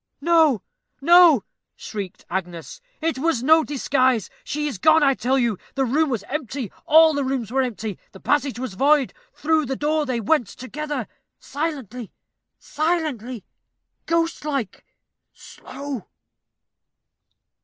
"No, no," shrieked Agnes; "it was no disguise. She is gone, I tell you the room was empty, all the rooms were empty the passage was void through the door they went together silently, silently ghostlike, slow.